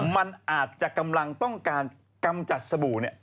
มันอาจจะกำลังต้องการกำจัดสบู่